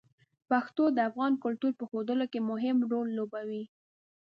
پښتو د افغان کلتور په ښودلو کې مهم رول لوبوي.